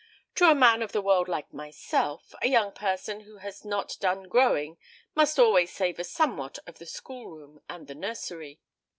To a man of the world like myself, a young person who has not done growing must always savour somewhat of the schoolroom and the nursery.